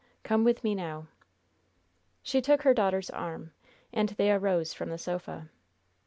Come with me now." She took her daughter's arm, and they arose from the sofa.